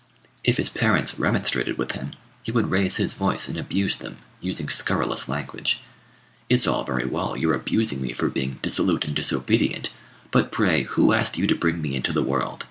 If his parents remonstrated with him, he would raise his voice and abuse them, using scurrilous language. "It's all very well your abusing me for being dissolute and disobedient. But, pray, who asked you to bring me into the world?